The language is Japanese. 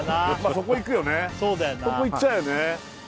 そこいっちゃうよね